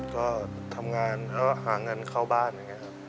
ก็ทำงานหาเงินเข้าบ้านครับ